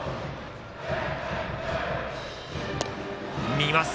見ます。